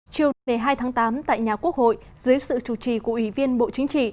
chiều hai tháng tám tại nhà quốc hội dưới sự chủ trì của ủy viên bộ chính trị